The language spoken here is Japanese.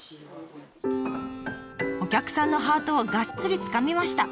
お客さんのハートをがっつりつかみました。